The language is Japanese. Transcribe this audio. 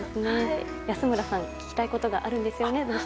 安村さん、どうしても聞きたいことがあるんですよね？